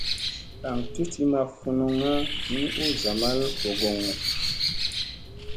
Aŋ ti ti ma funuŋŋa ni u zamalla vogoŋga.